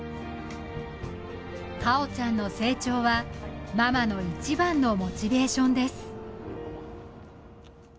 果緒ちゃんの成長はママの一番のモチベーションです